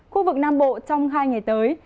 khu vực nam bộ trong hai ngày tới